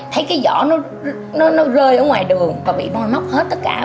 thấy cái giỏ nó rơi ở ngoài đường và bị môi móc hết tất cả